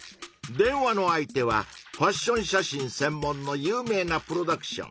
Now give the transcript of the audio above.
電話の相手はファッション写真せんもんの有名なプロダクション。